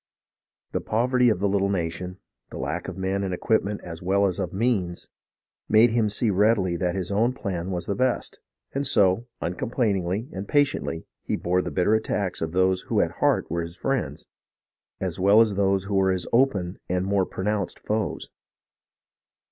The poverty of the little nation, the lack of men and equipments as well as of means, made him see readily that his own plan was best, and so, uncomplainingly and patiently, he bore the bitter attacks of those who at heart were his friends, as well as those who were his open and more pronounced foes.